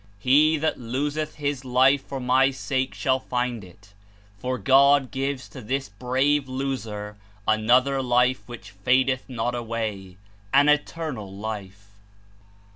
"He that loseth his life for my sake shall find It," for God gives to this brave loser another life which fadeth not away, an Eternal Life.